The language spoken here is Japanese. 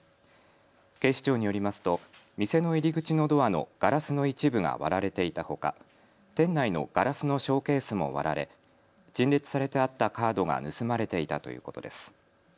警視庁によりますと店の入り口のドアのガラスの一部が割られていたほか店内のガラスのショーケースも割られ陳列されてあったカードが盗まれていたということです。